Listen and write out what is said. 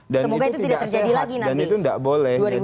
dan itu tidak sehat dan itu tidak boleh